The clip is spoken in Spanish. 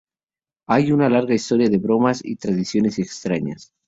Hay una larga historia de bromas y tradiciones extrañas.